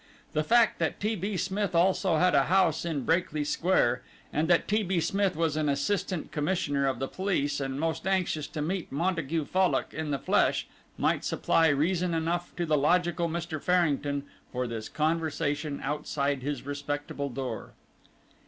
The fact that T. B. Smith also had a house in Brakely Square, and that T. B. Smith was an Assistant Commissioner of the police, and most anxious to meet Montague Fallock in the flesh, might supply reason enough to the logical Mr. Farrington for this conversation outside his respectable door.